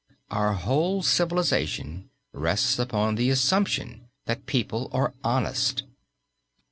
Our whole civilization rests upon the assumption that people are honest.